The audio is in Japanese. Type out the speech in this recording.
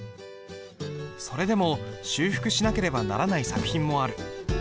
それでも修復しなければならない作品もある。